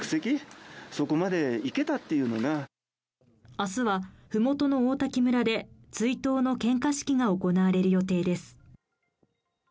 明日はふもとの王滝村で追悼の献花式が行われる予定です。